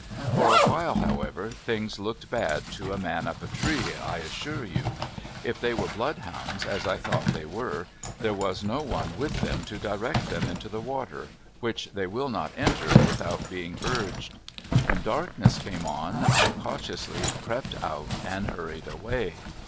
For a while, however, things looked bad to "a man up a tree," I assure you. If they were blood hounds, as I thought they were, there was no one with them to direct them into the water, which they will not enter without being urged. When darkness came on I cautiously crept out and hurried away.